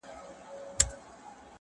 زه هم دعاوي هر ماښام كومه;